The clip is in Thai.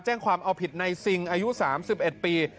แจ้งความเอาผิดในซิงอายุ๓๑ปี